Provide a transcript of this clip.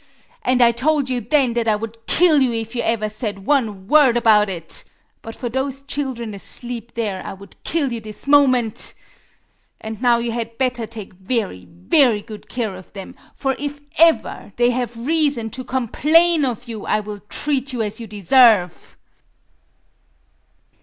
And I told you then that I would kill you if you ever said one word about it!... But for those children asleep there, I would kill you this moment! And now you had better take very, very good care of them; for if ever they have reason to complain of you, I will treat you as you deserve!"...